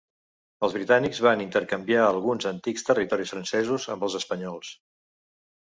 Els britànics van intercanviar alguns antics territoris francesos amb els espanyols.